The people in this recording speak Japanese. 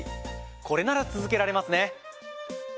これなら続けられますね。